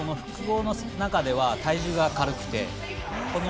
彼は、複合の中では体重が軽くて。